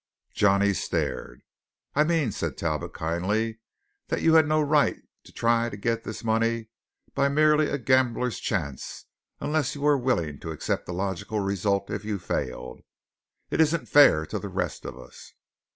Johnny stared. "I mean," said Talbot kindly, "that you had no right to try to get this money by merely a gambler's chance unless you were willing to accept the logical result if you failed. It isn't fair to the rest of us."